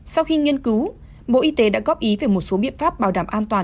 sau khi nghiên cứu bộ y tế đã góp ý về một số biện pháp bảo đảm an toàn